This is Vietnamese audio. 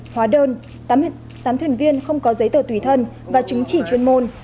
hóa đơn tám thuyền viên không có giấy tờ tùy thân và chứng chỉ chuyên môn